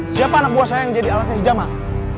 siapa anak buah saya yang jadi alatnya si jamal